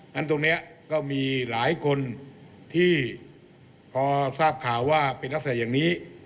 ฉะตรงนี้ก็มีหลายคนที่พอทราบข่าวว่าเป็นลักษณะอย่างนี้